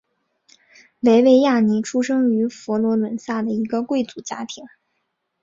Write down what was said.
维维亚尼出生于佛罗伦萨的一个贵族家庭。